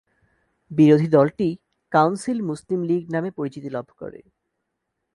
বিরোধী দলটি কাউন্সিল মুসলিম লীগ নামে পরিচিতি লাভ করে।